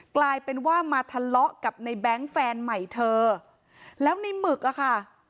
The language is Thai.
กลายเป็นว่ามาทะเลาะกับในแบงค์แฟนใหม่เธอแล้วในหมึกอะค่ะ